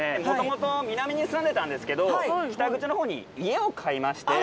元々南に住んでたんですけど北口の方に家を買いまして。